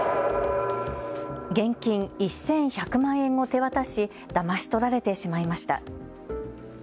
現金１１００万円を手渡し、だまし取られてしまいました。